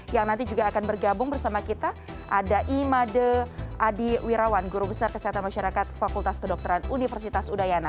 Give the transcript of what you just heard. yang nanti juga akan bergabung bersama kita ada imade adi wirawan guru besar kesehatan masyarakat fakultas kedokteran universitas udayana